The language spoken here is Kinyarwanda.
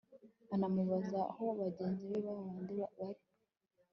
anamubaza aho bagenzi be bandi bari